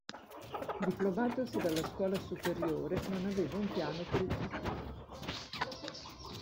Diplomatosi dalla scuola superiore, non aveva un piano per il futuro.